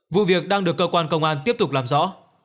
vụ việc đang được cơ quan công an tiếp tục làm rõ